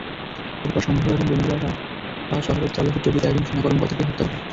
এরপর সন্দেহভাজন জঙ্গিরা রাফা শহরের তল্লাশি চৌকিতে একজন সেনা কর্মকর্তাকে হত্যা করে।